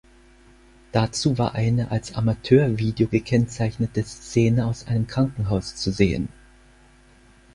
Dazu war eine als Amateur-Video gekennzeichnete Szene aus einem Krankenhaus zu sehen.